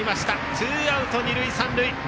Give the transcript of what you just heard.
ツーアウト、二塁三塁。